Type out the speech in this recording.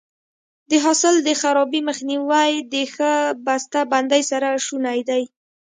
د حاصل د خرابي مخنیوی د ښه بسته بندۍ سره شونی دی.